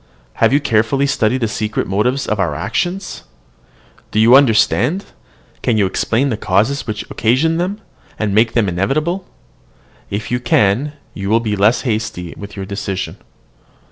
Have you carefully studied the secret motives of our actions? Do you understand can you explain the causes which occasion them, and make them inevitable? If you can, you will be less hasty with your decision."